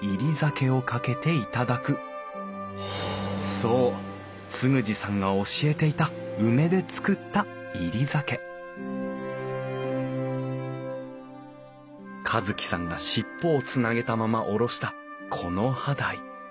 そう嗣二さんが教えていた梅で作った煎り酒一樹さんが尻尾をつなげたまま下ろした木葉鯛。